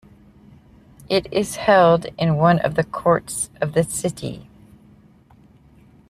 It is held in one of the courts of the city.